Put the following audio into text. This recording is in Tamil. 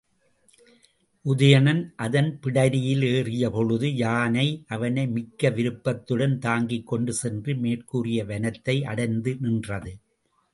உதயணன் அதன் பிடரியில் ஏறியபொழுது யானை அவனை மிக்க விருப்பத்துடன் தாங்கிக்கொண்டு சென்று மேற்கூறிய வனத்தை அடைந்து நின்றது.